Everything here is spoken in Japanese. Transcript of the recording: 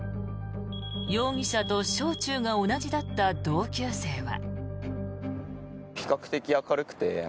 容疑者と小中が同じだった同級生は。